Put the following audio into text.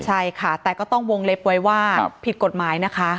ใช่ค่ะแต่ก็ต้องวงเล็บไว้ว่าผิดกฎหมายนะคะ